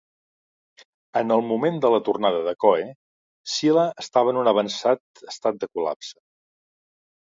En el moment de la tornada de Choe, Silla estava en un avançat estat de col·lapse.